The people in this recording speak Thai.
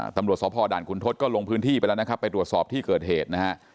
ตำรวจสพด่านขุนทศก็ลงพื้นที่ไปแล้วนะครับไปตรวจสอบที่เกิดเหตุนะฮะ